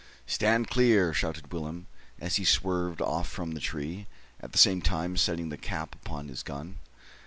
"Stand clear," shouted Willem, as he swerved off from the tree, at the same time setting the cap upon his gun.